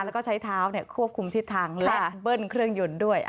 แล้วก็ใช้เท้าควบคุมทิศทางและเบิ้ลเครื่องยนต์ด้วย